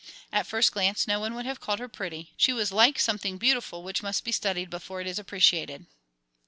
At first glance, no one would have called her pretty; she was like something beautiful which must be studied before it is appreciated.